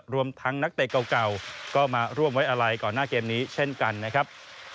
รวมทั้งนักเตะเก่าก็มาร่วมไว้อะไรก่อนหน้าเกมนี้เช่นกันนะครับ